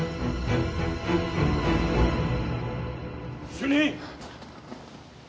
主任！